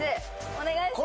お願いします